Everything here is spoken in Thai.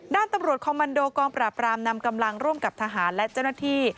ด้านตำรวจคอมมันโดกองปราบรามนำกำลังร่วมกับทหารและเจ้าหน้าที่